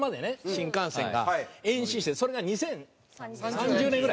新幹線が延伸してそれが２０３０年ぐらいですか？